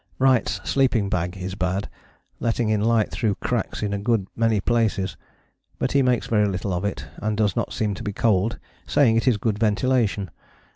Wright's sleeping bag is bad, letting in light through cracks in a good many places. But he makes very little of it and does not seem to be cold saying it is good ventilation.